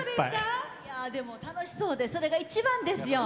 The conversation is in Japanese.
でも、楽しそうでそれが一番ですよ。